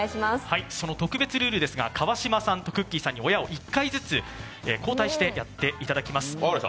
その特別ルールですが、川島さんとくっきー！さんに親を１回ずつ交代してやっていただきます。